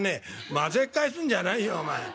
「混ぜっ返すんじゃないよお前」。